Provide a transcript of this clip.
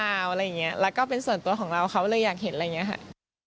อะไรอย่างเงี้ยแล้วก็เป็นส่วนตัวของเราเขาเลยอยากเห็นอะไรอย่างนี้ค่ะ